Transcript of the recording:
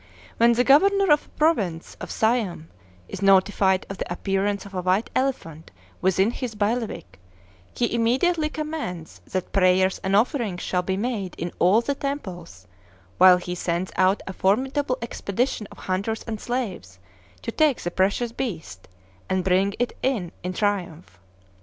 When the governor of a province of Siam is notified of the appearance of a white elephant within his bailiwick, he immediately commands that prayers and offerings shall be made in all the temples, while he sends out a formidable expedition of hunters and slaves to take the precious beast, and bring it in in triumph.